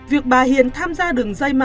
việc bà hiền tham gia đường dây màn